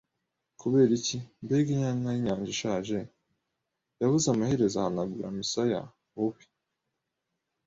“Kubera iki, mbega inyana y'inyanja ishaje!” yavuze amaherezo, ahanagura imisaya. “Wowe